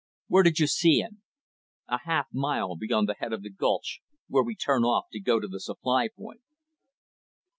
"Where did you see him?" "A half mile beyond the head of the gulch, where we turn off to go to the supply point."